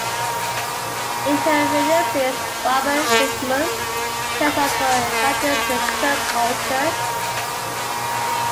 In her radio plays, Barbara Frischmuth tells of her encounters with Turk culture.